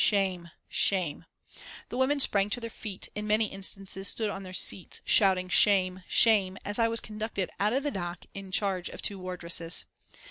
"Shame!" "Shame!" The women sprang to their feet, in many instances stood on their seats, shouting "Shame!" "Shame!" as I was conducted out of the dock in charge of two wardresses.